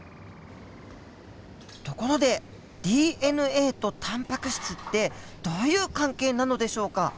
ところでＤＮＡとタンパク質ってどういう関係なのでしょうか？